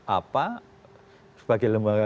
apa sebagai lembaga